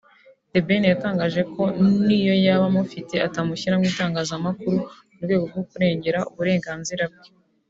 The Ben yatangaje ko n'iyo yaba amufite atamushyira mu itangazamakuru mu rwego rwo kurengera uburenganzira bwe